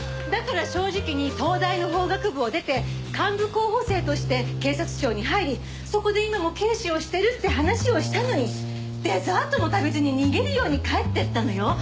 だから正直に東大の法学部を出て幹部候補生として警察庁に入りそこで今も刑事をしているって話をしたのにデザートも食べずに逃げるように帰っていったのよ？